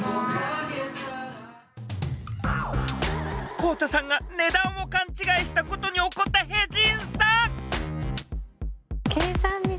こうたさんが値段を勘違いしたことに怒ったヘジンさん！